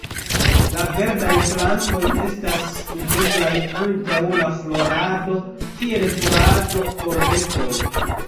La verdaj plantoj estas uzeblaj antaŭ la florado kiel furaĝo por bestoj.